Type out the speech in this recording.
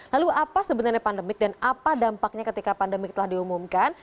lalu apa sebenarnya pandemik dan apa dampaknya ketika pandemi telah diumumkan